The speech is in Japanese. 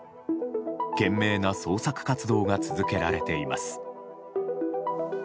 懸命な捜索活動が続けられています。